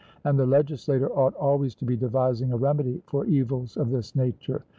And the legislator ought always to be devising a remedy for evils of this nature.